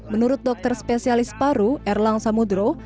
menurut dokter spesialis paru erlang samudro